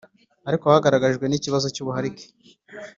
ariko hagaragajwe n ikibazo cy’ubuharike